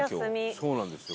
「そうなんですよ」